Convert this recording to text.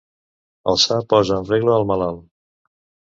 El sa posa en regla el malalt.